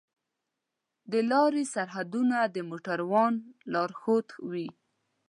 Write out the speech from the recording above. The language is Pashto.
د لارې سرحدونه د موټروانو لارښود وي.